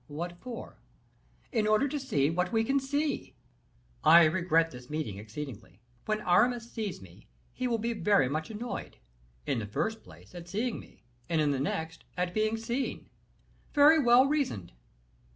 "What for?" "In order to see what we can see." "I regret this meeting exceedingly. When Aramis sees me, he will be very much annoyed, in the first place, at seeing me, and in the next at being seen." "Very well reasoned."